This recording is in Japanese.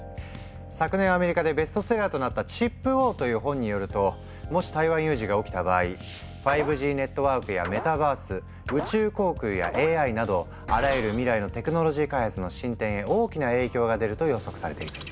昨年アメリカでベストセラーとなった「チップ・ウォー」という本によるともし台湾有事が起きた場合５Ｇネットワークやメタバース宇宙航空やＡＩなどあらゆる未来のテクノロジー開発の進展へ大きな影響が出ると予測されている。